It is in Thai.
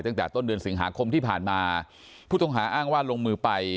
ตั้งแต่ต้นเดือนสิงหาคมที่ผ่านมาผู้ต้องหาอ้างว่าลงมือไป